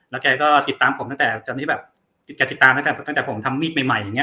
แล้วแกก็ติดตามผมตั้งแต่ตอนที่แบบแกติดตามตั้งแต่ตั้งแต่ผมทำมีดใหม่อย่างเง